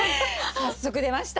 早速出ました。